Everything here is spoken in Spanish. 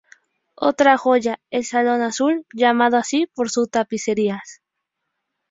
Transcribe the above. Otra joya, el salón azul, llamado así por sus tapicerías.